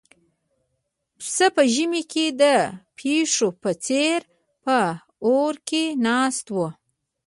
پسه په ژمي کې د پيشو په څېر په اور کې ناست و.